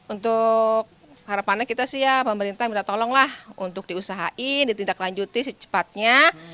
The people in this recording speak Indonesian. untuk harapannya kita sih ya pemerintah minta tolonglah untuk diusahain di tindak lanjuti secepatnya